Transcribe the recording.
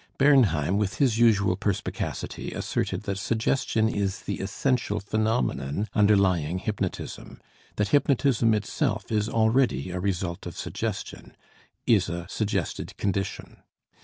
Bernheim, with his usual perspicacity, asserted that suggestion is the essential phenomenon underlying hypnotism, that hypnotism itself is already a result of suggestion, is a suggested condition.